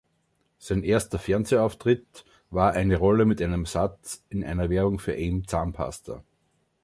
Sein erster Fernsehauftritt war eine Rolle mit einem Satz in einer Werbung für Aim-Zahnpasta.